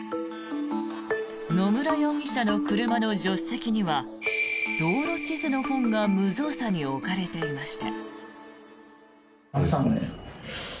野村容疑者の車の助手席には道路地図の本が無造作に置かれていました。